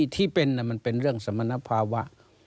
ที่เป็นมันเป็นเรื่องสมณภาวะ